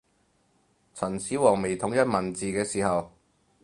秦始皇未統一文字嘅時候